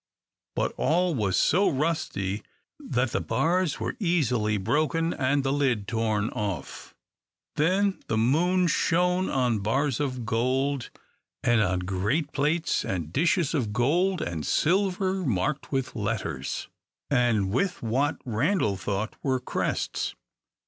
But all was so rusty that the bars were easily broken, and the lid torn off. [Illustration: Page 309] Then the moon shone on bars of gold, and on great plates and dishes of gold and silver, marked with letters, and with what Randal thought were crests.